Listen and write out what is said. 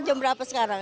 jam berapa sekarang